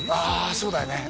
そうだよね